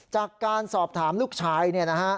จากการสอบถามลูกชายนะครับ